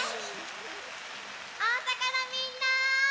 おおさかのみんな。